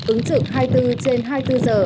ứng trực hai mươi bốn trên hai mươi bốn giờ